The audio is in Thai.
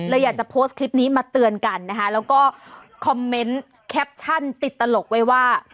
อยากจะโพสต์คลิปนี้มาเตือนกันนะคะแล้วก็คอมเมนต์แคปชั่นติดตลกไว้ว่า